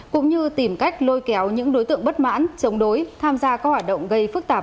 cũng như tìm cách lôi kéo những đối tượng bất mãn chống đối tham gia các hoạt động gây phức tạp